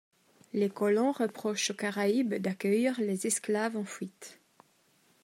Les colons reprochent aux Caraïbes d'accueillir les esclaves en fuite.